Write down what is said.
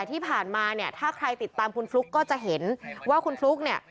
ที่ผ่านมาเนี่ยถ้าใครติดตามคุณฟลุ๊กก็จะเห็นว่าคุณฟลุ๊กเนี่ย